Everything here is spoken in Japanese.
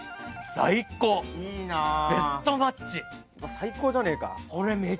最高じゃねえか。